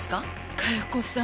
加代子さん。